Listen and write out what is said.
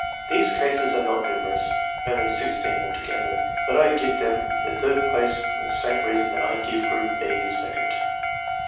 These cases are not numerous — only 16 altogether — ^but I give them the third place for the same reason that I gave group (b) the second.